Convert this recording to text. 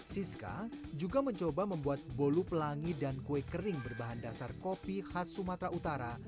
siska juga mencoba membuat bolu pelangi dan kue kering berbahan dasar kopi khas sumatera utara